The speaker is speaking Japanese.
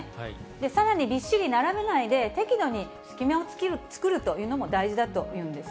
さらにびっしり並べないで適度に隙間を作るというのも大事だというんです。